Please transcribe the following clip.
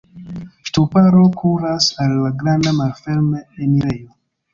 Ŝtuparo kuras al la granda malferme enirejo.